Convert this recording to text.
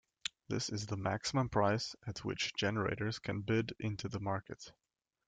This is the maximum price at which generators can bid into the market.